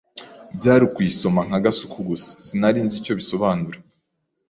byari ukuyisoma nka gasuku gusa, sinari nzi icyo bisobanura